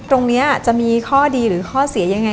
ตรงนี้จะมีข้อดีหรือข้อเสียยังไง